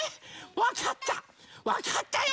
わかったわかったよ。